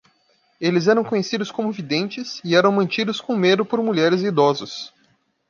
Eles eram conhecidos como videntes? e eram mantidos com medo por mulheres e idosos.